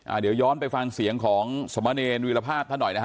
เดี๋ยวย้อนไปฟังเสียงของสมเนรวีรภาพท่านหน่อยนะฮะ